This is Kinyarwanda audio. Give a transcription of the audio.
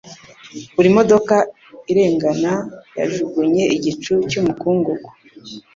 Buri modoka irengana yajugunye igicu cyumukungugu.